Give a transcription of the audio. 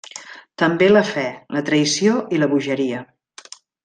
També la fe, la traïció, i la bogeria.